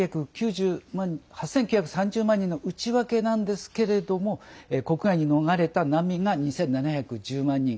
８９３０万人の内訳なんですけれども国外に逃れた難民が２７１０万人。